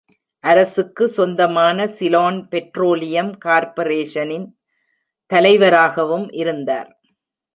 அரசுக்கு சொந்தமான Ceylon petroleum கார்ப்பரேஷனின் தலைவராகவும் இருந்தார்.